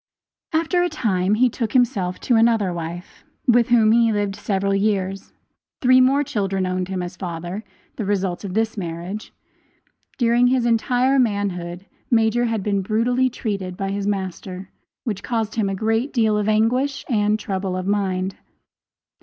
After a time he took to himself another wife, with whom he lived several years. Three more children owned him as father the result of this marriage. During his entire manhood Major had been brutally treated by his master, which caused him a great deal of anguish and trouble of mind.